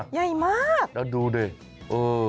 ใหญ่มากนั่นดูดิเออ